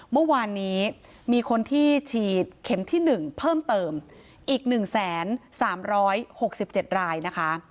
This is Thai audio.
เมื่อวานนี้มีคนที่ฉีดเข็มที่๑เพิ่มเติมอีก๑๓๖๗รายนะคะ